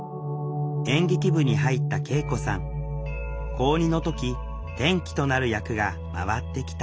高２の時転機となる役が回ってきた